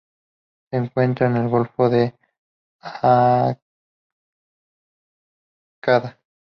Se encuentra en el Golfo de Aqaba.